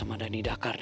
dan menjauh zeker